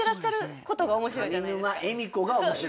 上沼恵美子が面白いんだ。